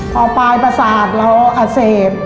พอปลายประสาทเราอเศษ